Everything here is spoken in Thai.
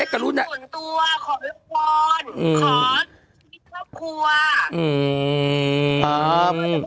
ขอขอบคุณขอขอ